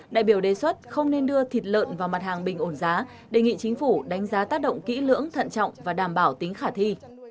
đại biểu đề xuất không nên đưa thịt lợn vào mặt hàng bình ổn giá đề nghị chính phủ đánh giá tác động kỹ lưỡng thận trọng và đảm bảo tính khả thi